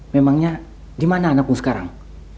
memangnya di mana anakku sekarang